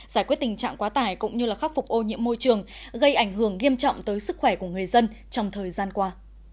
giải quyết tình trạng quá tải cũng như khắc phục ô nhiễm môi trường gây ảnh hưởng nghiêm trọng tới sức khỏe của người dân trong thời gian qua